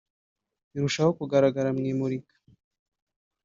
irushaho kugaragara mu imurika